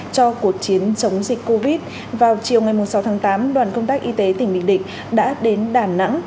cho cuộc chiến chống dịch covid vào chiều ngày sáu tháng tám đoàn công tác y tế tỉnh bình định đã đến đà nẵng